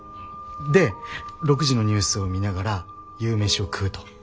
で６時のニュースを見ながら夕飯を食うと。